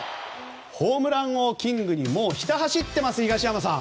ホームランキングをひた走っています、東山さん。